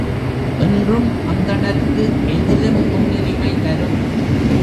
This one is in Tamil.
என்றும் அந்தணர்க்கு எதிலும் முன்னுரிமை தரும்.